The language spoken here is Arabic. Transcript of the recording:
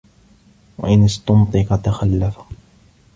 وَإِنْ اُسْتُنْطِقَ تَخَلَّفَ